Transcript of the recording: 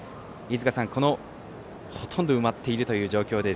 ほとんど埋まっているという状況で